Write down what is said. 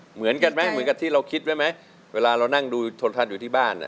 เหมือนกันไหมเหมือนกับที่เราคิดไว้ไหมเวลาเรานั่งดูชนทันอยู่ที่บ้าน